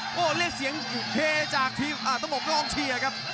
โอ้โหเรียกเสียงเฮจากทีมต้องบอกกองเชียร์ครับ